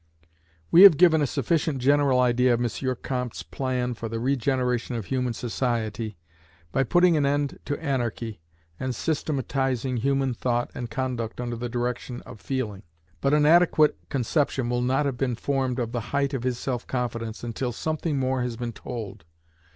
We have given a sufficient general idea of M. Comte's plan for the regeneration of human society, by putting an end to anarchy, and "systematizing" human thought and conduct under the direction of feeling. But an adequate conception will not have been formed of the height of his self confidence, until something more has been told.